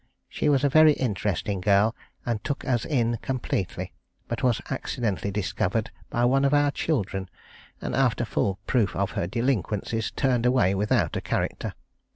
She was a very interesting girl, and took us in completely, but was accidentally discovered by one of our children, and after full proof of her delinquencies, turned away without a character.